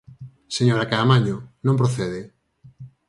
Señora Caamaño, non procede.